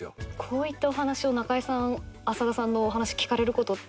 こういったお話を中井さん浅田さんのお話聞かれることってあります？